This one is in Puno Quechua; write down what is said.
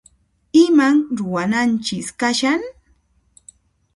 Iman ruwanaykichis kashan?